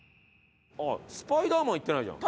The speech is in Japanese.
スパイダーマンいってないじゃん。